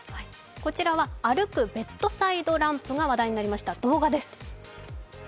こちらは歩くベッドサイドランプが話題になりました、動画です。